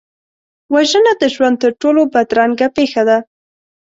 وژنه د ژوند تر ټولو بدرنګه پېښه ده